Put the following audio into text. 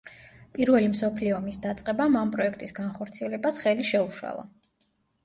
პირველი მსოფლიო ომის დაწყებამ ამ პროექტის განხორციელებას ხელი შეუშალა.